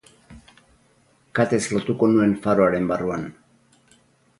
Katez lotuko nuen faroaren barruan.